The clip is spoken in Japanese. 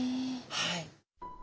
はい。